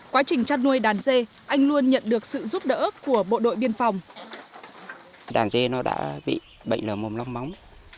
quá trình chăn nuôi đàn dê anh luôn nhận được sự giúp đỡ của bộ đội biên phòng